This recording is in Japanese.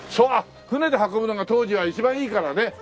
あっ船で運ぶのが当時は一番いいからね。